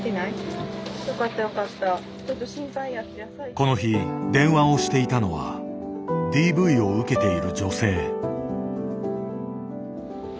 この日電話をしていたのはＤＶを受けている女性。